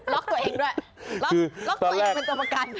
ตัวเองด้วยล็อกตัวเองเป็นตัวประกัน